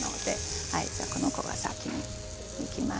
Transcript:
じゃあこの子が先にいきます。